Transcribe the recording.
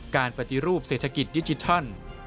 การปฏิรูปเศรษฐกิจดิจิทัล